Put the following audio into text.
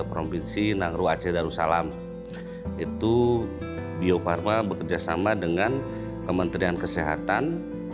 provinsi nangru aceh darussalam itu bio farma bekerjasama dengan kementerian kesehatan